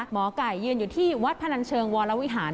หมอไก่ยืนอยู่ที่วัดพนันเชิงวรวิหาร